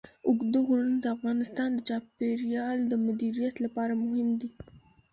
اوږده غرونه د افغانستان د چاپیریال د مدیریت لپاره مهم دي.